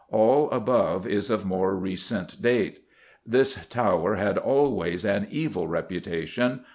all above is of more recent date. This tower had always an evil reputation.